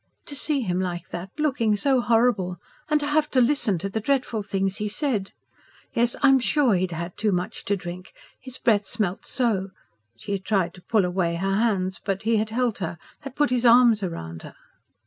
To see him like that looking so horrible and to have to listen to the dreadful things he said! Yes, I'm sure he had had too too much to drink. His breath smelt so." She had tried to pull away her hands; but he had held her, had put his arms round her.